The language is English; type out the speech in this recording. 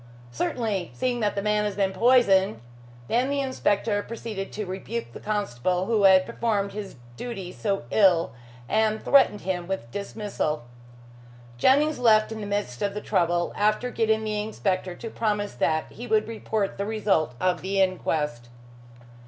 "Certainly, seeing the man has been poisoned." Then the inspector proceeded to rebuke the constable who had performed his duty so ill, and threatened him with dismissal. Jennings left in the midst of the trouble, after getting the inspector to promise that he would report the result of the inquest.